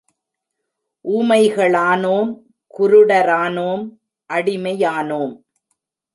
ஊமைகளானோம், குருடரானோம், அடிமையானோம்!